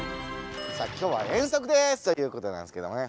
さあ今日は遠足です！ということでございますけどもね。